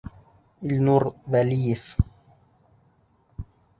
Илнур ВӘЛИЕВ